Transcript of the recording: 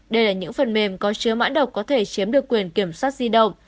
đây là những phần mềm có chứa mã độc có thể chiếm được quyền kiểm soát di động